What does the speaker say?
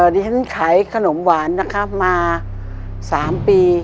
ดิฉันขายขนมหวานนะครับมา๓ปี